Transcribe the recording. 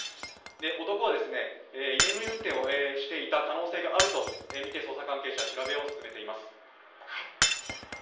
男は居眠り運転をしていた可能性があるとみて捜査関係者は調べを進めています。